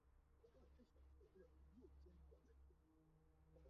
土蜜树瘤节蜱为节蜱科瘤节蜱属下的一个种。